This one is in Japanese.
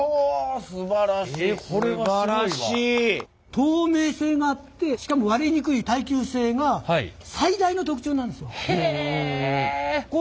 透明性があってしかも割れにくい耐久性が最大の特徴なんですわ。